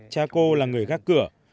cha cô là người gác cửa